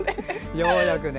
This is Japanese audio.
ようやくね。